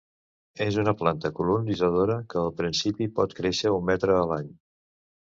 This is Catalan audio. És una planta colonitzadora que al principi pot créixer un metre a l'any.